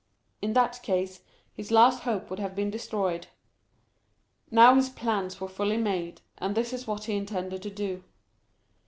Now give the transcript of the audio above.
In that case his last hope would have been destroyed. Now his plans were fully made, and this is what he intended to do.